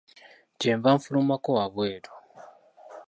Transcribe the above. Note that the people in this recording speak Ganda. Kye nnava nfulumako wabweru.